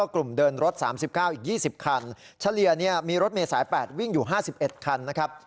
๒๐คันเฉลี่ยเนี่ยมีรถเมษาย๘วิ่งอยู่๕๑คันนะครับ